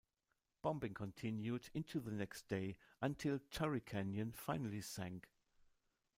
Bombing continued into the next day, until "Torrey Canyon" finally sank.